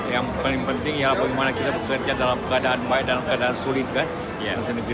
yang paling penting ya bagaimana kita bekerja dalam keadaan baik dalam keadaan sulit kan